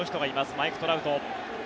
マイク・トラウト。